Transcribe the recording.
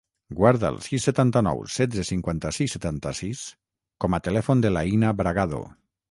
Guarda el sis, setanta-nou, setze, cinquanta-sis, setanta-sis com a telèfon de l'Aïna Bragado.